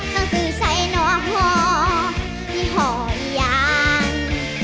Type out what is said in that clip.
มันคือใส่หน่อห่อที่ห่อยยาง